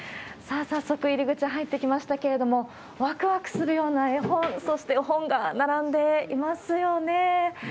さあ、早速入り口入ってきましたけれども、わくわくするような絵本、そして本が並んでいますよね。